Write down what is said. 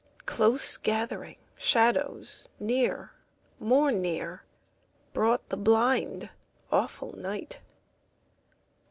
Close gathering shadows near, more near, Brought the blind, awful night.